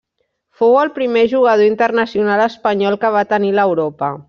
Fou el primer jugador internacional espanyol que va tenir l'Europa.